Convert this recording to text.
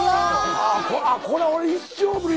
これは俺一生無理だ。